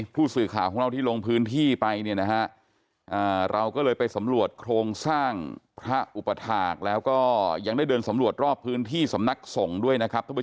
พื้นที่ไปนะเราก็เลยไปสำรวจโครงสร้างพระอุปฑะฐาจแล้วก็ยังได้เดินสำรวจรอบพื้นที่สำนักสงฆ์ด้วย